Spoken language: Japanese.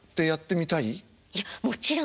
いやもちろん。